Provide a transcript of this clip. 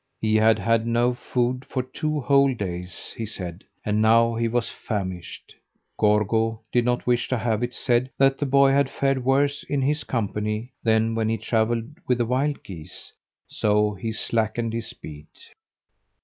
He had had no food for two whole days, he said, and now he was famished. Gorgo did not wish to have it said that the boy had fared worse in his company than when he travelled with the wild geese, so he slackened his speed.